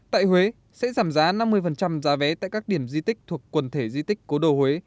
tại huế sẽ giảm giá năm mươi giá vé tại các điểm di tích thuộc quần thể di tích cố đồ huế